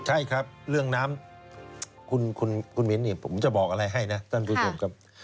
ใช่ครับเรื่องน้ำคุณมินปลูกจะบอกอะไรให้นะ